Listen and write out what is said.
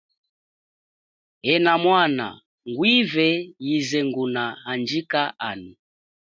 Ena mwana, ngwive yize nguna handjika hano.